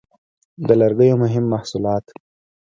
د لرګیو مهم محصولات: